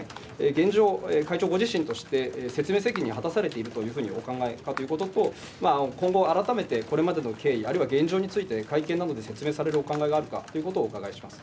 現状、会長ご自身として、説明責任を果たされているというふうにお考えかということと、今後、改めてこれまでの経緯、あるいは現状について会見などで説明されるお考えがあるかということをお伺いいたします。